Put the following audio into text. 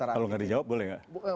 kalau gak ada jawab boleh gak